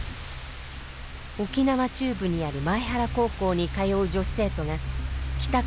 沖縄中部にある前原高校に通う女子生徒が帰宅